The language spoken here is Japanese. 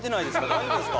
大丈夫ですか？